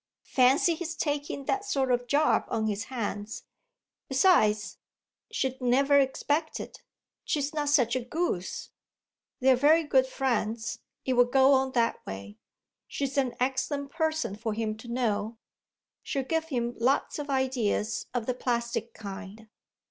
Fancy his taking that sort of job on his hands! Besides, she'd never expect it; she's not such a goose. They're very good friends it will go on that way. She's an excellent person for him to know; she'll give him lots of ideas of the plastic kind.